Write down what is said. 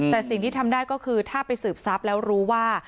แต่สิ่งที่ทำได้ก็คือถ้าไปสืบทรัพย์แล้วรู้ว่า